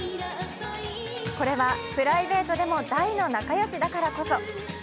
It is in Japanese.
これはプライベートでも大の仲良しだからこそ。